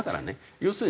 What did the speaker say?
要するにね